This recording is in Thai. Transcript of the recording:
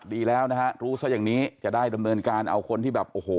ดีแล้วนะฮะรู้ซะอย่างนี้จะได้ดำเนินการเอาคนที่แบบโอ้โห